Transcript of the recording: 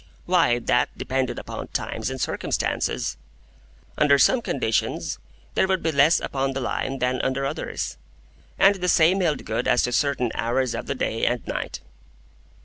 Why, that depended upon times and circumstances. Under some conditions there would be less upon the Line than under others, and the same held good as to certain hours of the day and night.